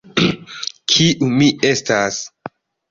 Kiu mi estas?